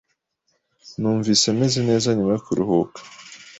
Numvise meze neza nyuma yo kuruhuka.